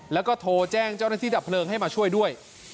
แล้วก็โทรแจ้งเจ้าหน้าที่ดับเพลิงให้มาช่วยด้วย